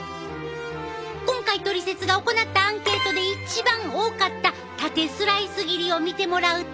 今回「トリセツ」が行ったアンケートで一番多かった縦スライス切りを見てもらうと。